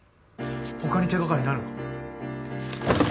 他に手掛かりないのか？